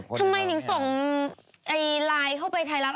ทำไมนี่ส่งไล้เข้าไปถ่ายลับ